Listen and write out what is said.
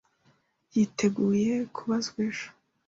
Yiteguye kubazwa ejo.